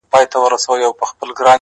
نو ژوند وي دغسي مفت يې در واخله خدایه